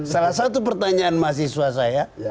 salah satu pertanyaan mahasiswa saya